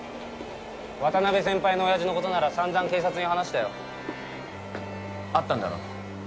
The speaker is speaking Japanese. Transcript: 渡辺先輩の親父のことなら散々警察に話したよ会ったんだろ？